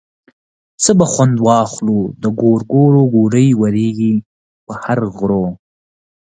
څه به خوند واخلو د ګورګورو ګولۍ ورېږي په هر غرو.